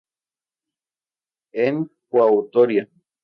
En coautoría